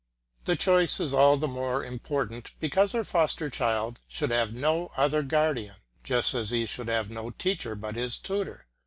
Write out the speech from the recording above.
The choice is all the more important because her foster child should have no other guardian, just as he should have no teacher but his tutor.